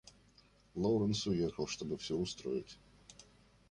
Лоуренс уехал, чтобы все устроить.